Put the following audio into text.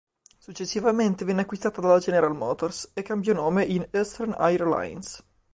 Successivamente venne acquista dalla General Motors e cambiò nome in "Eastern Air Lines".